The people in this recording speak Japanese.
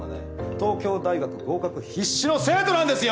東京大学合格必至の生徒なんですよ。